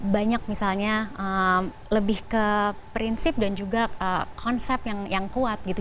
banyak misalnya lebih ke prinsip dan juga konsep yang kuat gitu